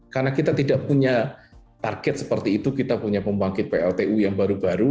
karena kita tidak punya target seperti itu kita punya pembangkit pltu yang baru baru